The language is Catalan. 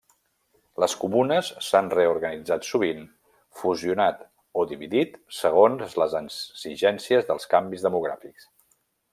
Les comunes s'han reorganitzat sovint, fusionat o dividit segons les exigències dels canvis demogràfics.